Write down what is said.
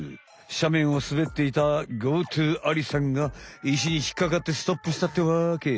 しゃめんをすべっていたＧＯＴＯアリさんがいしにひっかかってストップしたってわけ。